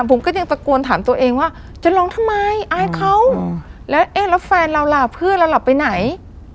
ผมก็ยังตะโกนถามตัวเองว่าจะร้องทำไมอายเขาแล้วเอ๊ะแล้วแฟนเราล่ะเพื่อนเราหลับไปไหน